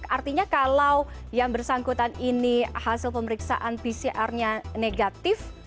artinya kalau yang bersangkutan ini hasil pemeriksaan pcrnya negatif